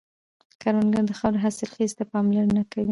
کروندګر د خاورې حاصلخېزي ته پاملرنه کوي